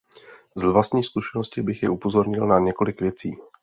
Z vlastní zkušenosti bych je upozornil na několik věcí.